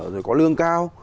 rồi có lương cao